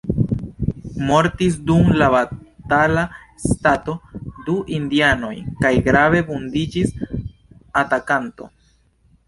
Mortis dum la batala stato du indianoj kaj grave vundiĝis atakanto.